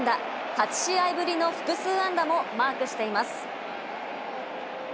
８試合ぶりの複数安打もマークしています。